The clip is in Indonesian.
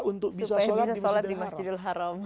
supaya bisa sholat di masjidil haram